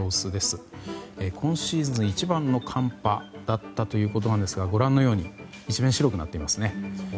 今シーズン一番の寒波だったということなんですがご覧のように一面、白くなっていますね。